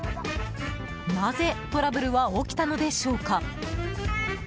なぜ、トラブルは起きたのでしょうか？